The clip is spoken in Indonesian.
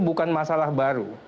bukan masalah baru